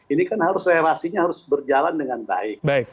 ini kan harus relasinya harus berjalan dengan baik